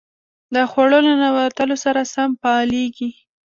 د خوړو له ننوتلو سره سم فعالېږي.